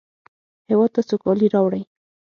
هېواد ته سوکالي راوړئ